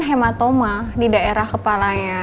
hematoma di daerah kepalanya